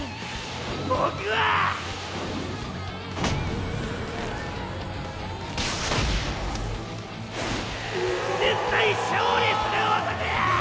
ボクは絶対勝利する男や！